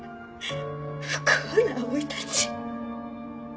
不幸な生い立ち？